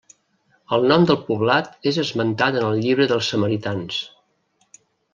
El nom del poblat és esmentat en el llibre dels samaritans.